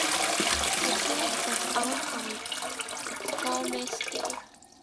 The college was owned by Gphomestay.